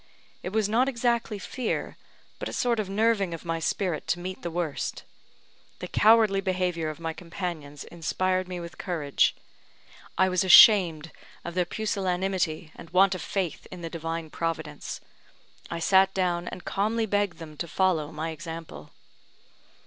It was not exactly fear, but a sort of nerving of my spirit to meet the worst. The cowardly behaviour of my companions inspired me with courage. I was ashamed of their pusillanimity and want of faith in the Divine Providence. I sat down, and calmly begged them to follow my example.